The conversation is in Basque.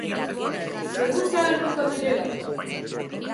Zuek uste agertuko direla?